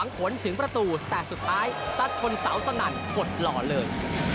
ผลถึงประตูแต่สุดท้ายซัดชนเสาสนั่นกดหล่อเลย